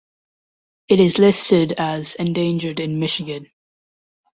It is listed as endangered in Michigan.